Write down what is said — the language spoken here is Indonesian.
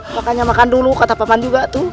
makanya makan dulu kata paman juga